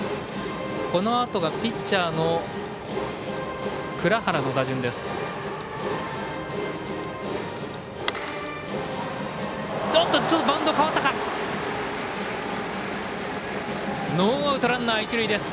このあとがピッチャーの藏原の打順です。